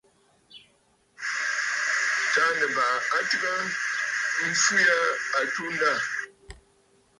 Taà Nɨ̀bàʼà a tɨgə mfee aa atunda yâ.